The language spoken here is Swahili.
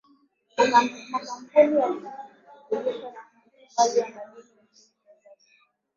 makampuni yanajishughulisha na uchimbaji wa madini nchini tanzania